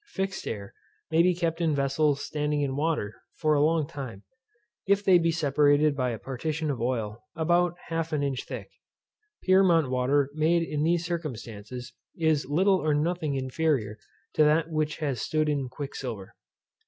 Fixed air may be kept in vessels standing in water for a long time, if they be separated by a partition of oil, about half an inch thick. Pyrmont water made in these circumstances, is little or nothing inferior to that which has stood in quicksilver.